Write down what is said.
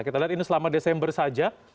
kita lihat ini selama desember saja